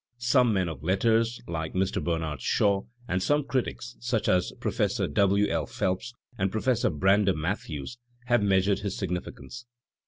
Some men of letters, like Mr. Bernard Shaw, and some critics, such as Professor W. L. Phelps and Professor Brander Matthews, have measured his significance.